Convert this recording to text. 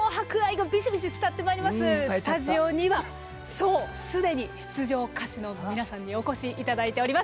スタジオにはすでに出場歌手の皆さんにお越しいただいております。